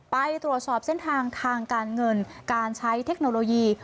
ไปตรวจสอบเส้นทางทางการเงินการใช้เทคโนโลยี